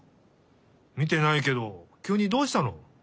みてないけどきゅうにどうしたの？